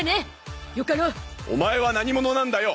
オマエは何者なんだよ！